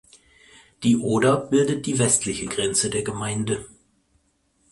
Die Oder bildet die westliche Grenze der Gemeinde.